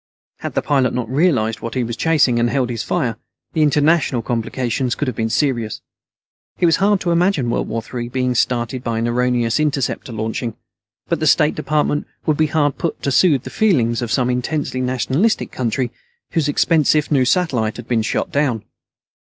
Had the pilot not realized what he was chasing and held his fire, the international complications could have been serious. It was hard to imagine World War III being started by an erroneous interceptor launching, but the State Department would be hard put to soothe the feelings of some intensely nationalistic country whose expensive new satellite had been shot down.